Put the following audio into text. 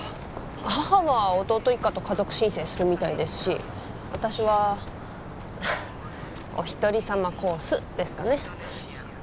母は弟一家と家族申請するみたいですし私はお一人様コースですかね